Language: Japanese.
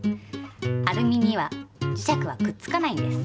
アルミには磁石はくっつかないんです。